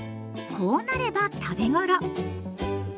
こうなれば食べ頃。